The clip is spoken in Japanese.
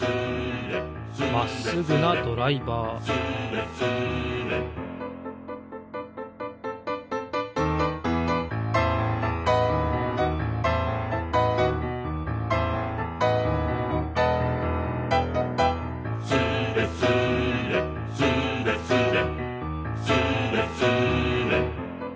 まっすぐなドライバー「スレスレ」「スレスレスーレスレ」